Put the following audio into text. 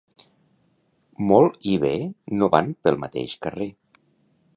Molt i bé no van pel mateix carrer.